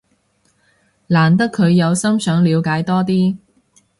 難得佢有心想了解多啲